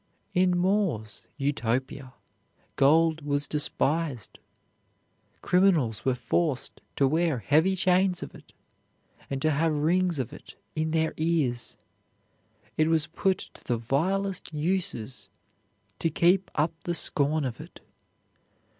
In More's "Utopia" gold was despised. Criminals were forced to wear heavy chains of it, and to have rings of it in their ears; it was put to the vilest uses to keep up the scorn of it.